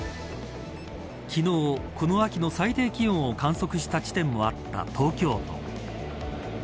昨日、この秋の最低気温を観測した地点もあった東京都。